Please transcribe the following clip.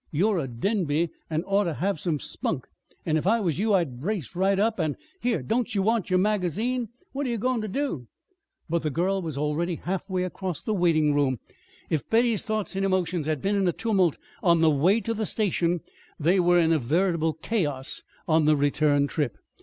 You're a Denby, an' ought ter have some spunk; an' if I was you I'd brace right up an' Here, don't ye want yer magazine? What are ye goin' ter do?" But the girl was already halfway across the waiting room. If Betty's thoughts and emotions had been in a tumult on the way to the station, they were in a veritable chaos on the return trip.